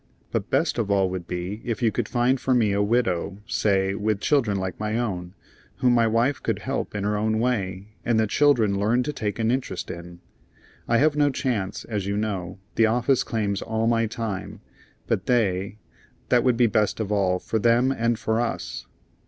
But best of all would be if you could find for me a widow, say, with children like my own, whom my wife could help in her own way, and the children learn to take an interest in. I have no chance, as you know. The office claims all my time. But they that would be best of all, for them and for us."